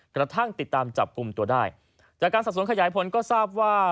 กระทั่งติดตามจับกลุ่มตัวได้จากการสอบสวนขยายผลก็ทราบว่า